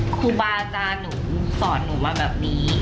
ครูบาอาจารย์หนูสอนหนูมาแบบนี้